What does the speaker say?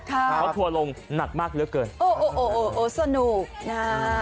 ครับเพราะถั่วลงหนักมากเรียบเกินโอ้โอ้โอสนุกนะฮะ